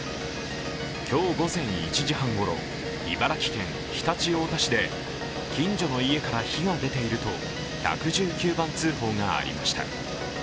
今日午前１時半ごろ、茨城県常陸太田市で、近所の家から火が出ていると１１９番通報がありました。